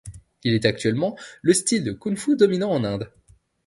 Il est, actuellement, le style de kung-fu dominant en Inde.